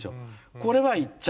これは行っちゃ